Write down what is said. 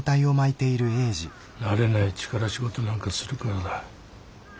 慣れない力仕事なんかするからだ。